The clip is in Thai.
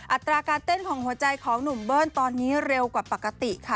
อัตราการเต้นของหัวใจของหนุ่มเบิ้ลตอนนี้เร็วกว่าปกติค่ะ